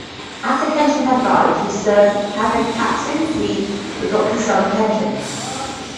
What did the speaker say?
After Kenshin had died, he served Kagekatsu, the adopted son of Kenshin.